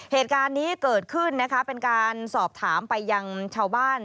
เหตุการณ์นี้เกิดขึ้นนะคะเป็นการสอบถามไปยังชาวบ้าน